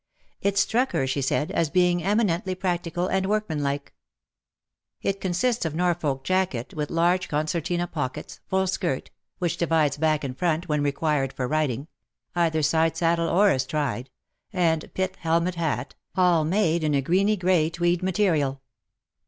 It struck her, she said, as being eminently practical and workmanlike. It con sists of Norfolk jacket with large concertina pockets, full skirt^ which divides back and front whe.i required for riding — either side WAR AND WOMEN 6$ saddle or astride — and pith helmet hat, all made in a greeny grey tweed material.